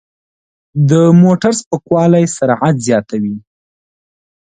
د موټر سپکوالی سرعت زیاتوي.